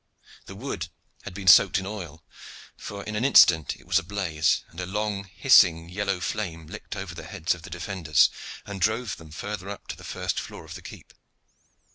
The wood had been soaked in oil, for in an instant it was ablaze, and a long, hissing, yellow flame licked over the heads of the defenders, and drove them further up to the first floor of the keep.